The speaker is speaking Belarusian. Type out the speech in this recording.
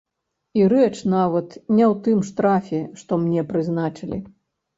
І рэч нават не ў тым штрафе, што мне прызначылі.